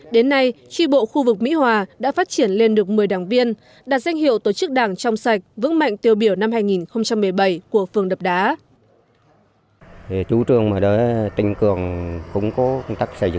đến nay tri bộ khu vực mỹ hòa đã phát triển lên được một mươi đảng viên đạt danh hiệu tổ chức đảng trong sạch vững mạnh tiêu biểu năm hai nghìn một mươi bảy của phương đập đá